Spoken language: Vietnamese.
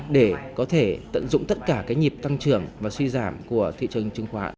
để có thể tận dụng tất cả cái nhịp tăng trưởng và suy giảm của thị trường chứng khoán